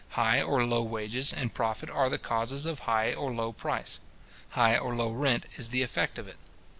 High or low wages and profit are the causes of high or low price; high or low rent is the effect of it.